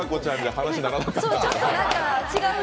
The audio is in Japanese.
話にならなかった。